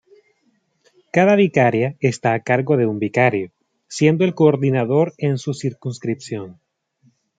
Cada vicaria está a cargo de un vicario, siendo el coordinador en su circunscripción.